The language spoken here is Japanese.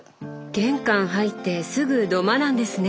玄関入ってすぐ土間なんですね